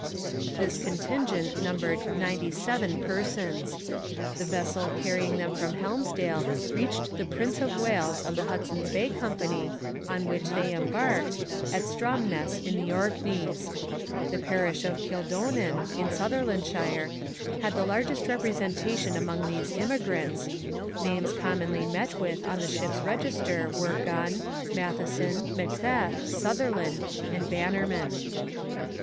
This contingent numbered ninety seven persons. The vessel carrying them from Helmsdale reached the Prince of Wales of the Hudson's Bay Company, on which they embarked, at Stromness in the Orkneys. The parish of Kildonan, in Sutherlandshire, had the largest representation among these emigrants. Names commonly met with on the ship's register were Gunn, Matheson, MacBeth, Sutherland, and Bannerman.